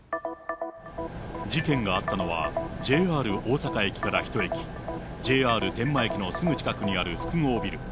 事件があったのは、ＪＲ大阪駅から１駅、ＪＲ天満駅のすぐ近くにある複合ビル。